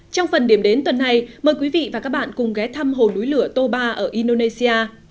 trong phần điểm đến tuần này mời quý vị và các bạn cùng ghé thăm hồ núi lửa to ba ở indonesia